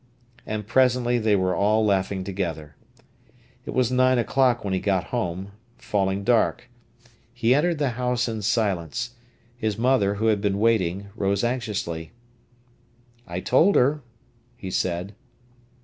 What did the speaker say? And presently they were all laughing together. It was nine o'clock when he got home, falling dark. He entered the house in silence. His mother, who had been waiting, rose anxiously. "I told her," he said.